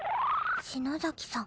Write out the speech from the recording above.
篠崎さん